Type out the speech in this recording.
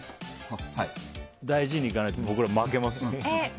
大事にいかないと僕ら、負けます。